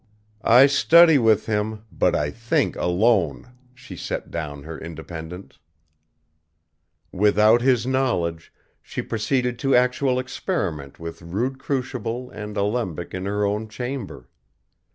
"I study with him, but I think alone," she set down her independence. Without his knowledge, she proceeded to actual experiment with rude crucible and alembic in her own chamber.